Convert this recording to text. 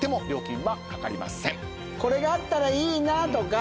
これがあったらいいなとか。